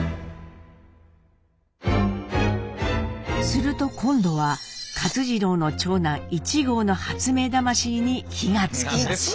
すると今度は勝次郎の長男壹号の発明魂に火が付きます！